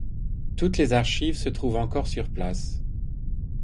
Toutes les archives se trouvent encore sur place.